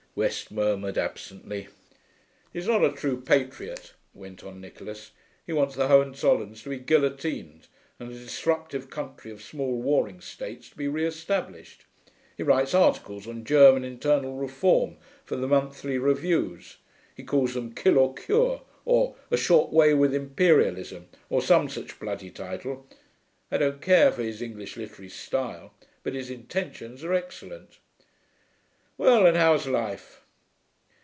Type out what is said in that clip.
West murmured absently.) 'He's not a true patriot,' went on Nicholas. 'He wants the Hohenzollerns to be guillotined and a disruptive country of small waning states to be re established. He writes articles on German internal reform for the monthly reviews. He calls them "Kill or Cure," or, "A short way with Imperialism," or some such bloody title. I don't care for his English literary style, but his intentions are excellent.... Well, and how's life?'